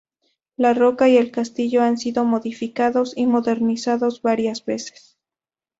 La roca y el castillo han sido modificados y modernizados varias veces.